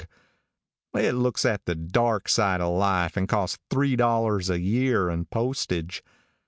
It looks at the dark side of life and costs $3 a year and postage.